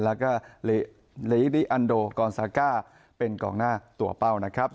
แล้วก็ลีริอันโดกอนซาก้าเป็นกองหน้าตัวเป้านะครับ